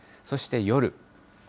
そして夜。